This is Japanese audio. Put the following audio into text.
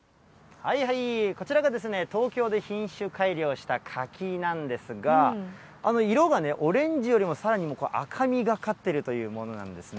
こちらが、東京で品種改良した柿なんですが、色がね、オレンジよりもさらに赤みがかってるというものなんですね。